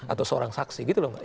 atau seorang saksi gitu loh mbak